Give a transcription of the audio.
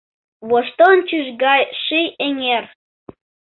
Воштончыш гай ший эҥер